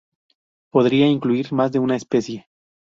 Podría incluir más de una especie.